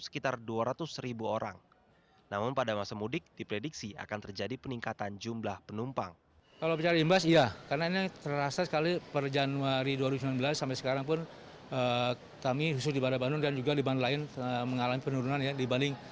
kondisi ini pun dikeluhkan oleh penumpang